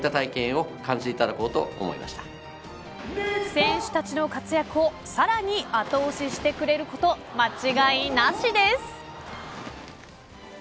選手たちの活躍をさらに後押ししてくれること間違いなしです。